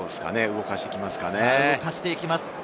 動かしていきますかね。